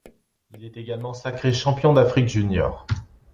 Il est également sacré champion d'Afrique junior.